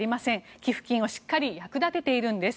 寄付金をしっかり役立てているんです。